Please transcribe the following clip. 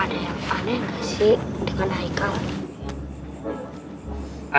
aneh gak sih dengan haikal